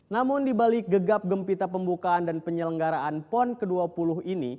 namun di balik gegap gempita pembukaan dan penyelenggaraan pon ke dua puluh ini